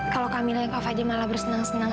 kalau kamila dan kak fadil malah bersenang senang